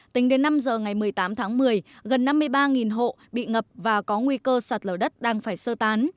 tính đến năm giờ ngày một mươi tám tháng một mươi gần năm mươi ba hộ bị ngập và có nguy cơ sạt lở đất đang phải sơ tán